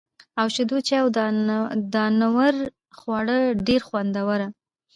او شېدو چای او دانور خواړه ډېره خوندوره